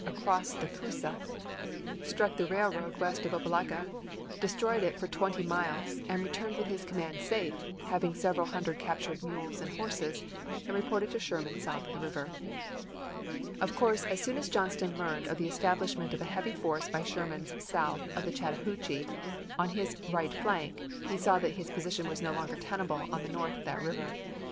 across the Coosa, struck the railroad west of Opelika, destroyed it for twenty miles and re turned with his command safe, having several hundred captured mules and horses, and reported to Sherman south of the river. Of course as soon as Johnston learned of the es tablishment of a heavy force by Sherman south of the Chattahoochee on his right flank, he saw that his position was no longer tenable on the north of that river.